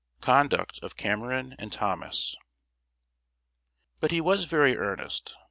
[Sidenote: CONDUCT OF CAMERON AND THOMAS.] But he was very earnest.